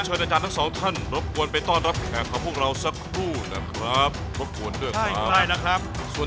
พอเชิญที่จากคุณที่ถ้าจะมาที่คุณที่มีผล